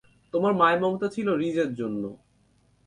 তোমার মায়া-মমতা ছিলো রিজের জন্য।